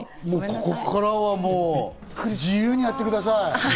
ここからは自由にやってください。